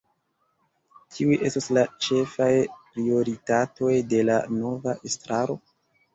Kiuj estos la ĉefaj prioritatoj de la nova estraro?